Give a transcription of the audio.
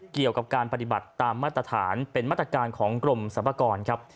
เกี่ยวกับการปฏิบัติตามมาตรฐานเป็นมาตรการของกรมสรรพากรครับ